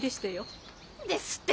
何ですって！